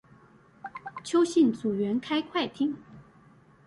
邱姓組員開快艇